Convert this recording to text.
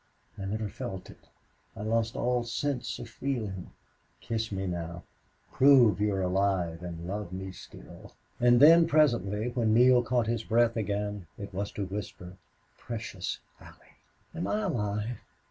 "I never felt it. I lost all sense of feeling.... Kiss me now! Prove you're alive and love me still!" And then presently, when Neale caught his breath again, it was to whisper, "Precious Allie!" "Am I alive?